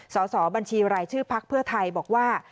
สอบบัญชีรายชื่อพักเพื่อไทยบอกว่า